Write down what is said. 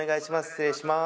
失礼します